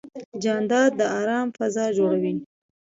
جانداد د ارام فضا جوړوي.